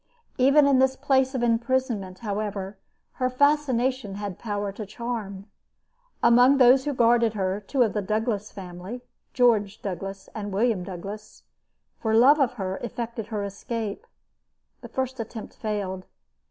Even in this place of imprisonment, however, her fascination had power to charm. Among those who guarded her, two of the Douglas family George Douglas and William Douglas for love of her, effected her escape. The first attempt failed.